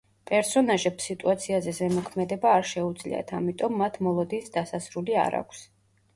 პერსონაჟებს სიტუაციაზე ზემოქმედება არ შეუძლიათ, ამიტომ მათ მოლოდინს დასასრული არ აქვს.